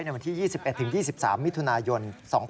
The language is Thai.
วันที่๒๑๒๓มิถุนายน๒๕๖๒